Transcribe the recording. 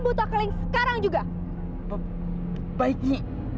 paling sekarang juga membaiki